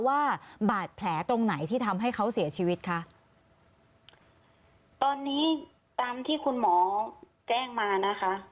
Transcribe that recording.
ว่าบาดแผลตรงไหนที่ทำให้เขาเสียชีวิตคะตอนนี้ตามที่คุณหมอแจ้งมานะคะ